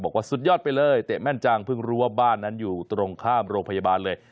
บอกว่าสุดยอดไปเลยเตะแม่นจังเพิ่งรู้ว่าบ้านนั้นอยู่ตรงข้ามโรงพยาบาลเลย